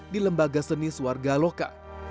di lembaga seni suarga loka